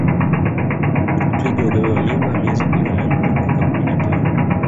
Twiga hubeba mimba miezi kumi na nne mpaka kumi na tano